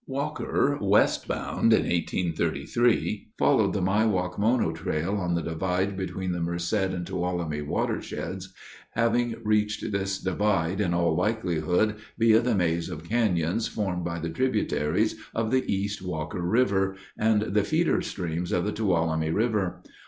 Walker, west bound in 1833, followed the Miwok Mono trail on the divide between the Merced and Tuolumne watersheds, having reached this divide, in all likelihood, via the maze of canyons formed by the tributaries of the East Walker River and the feeder streams of the Tuolumne River.